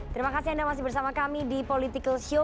terima kasih anda masih bersama kami di political show